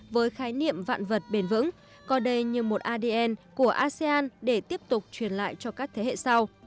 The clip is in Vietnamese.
với khái niệm vạn vật bền vững coi đây như một adn của asean để tiếp tục truyền lại cho các thế hệ sau